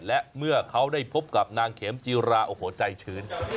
และเมื่อเขาได้พบกับนางเขมจีราโอ้โหใจชื้น